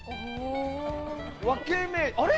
分け目あれ？